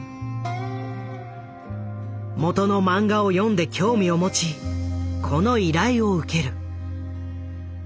もとの漫画を読んで興味を持ちこの依頼を受ける。